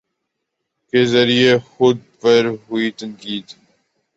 کے ذریعے خود پر ہوئی تنقید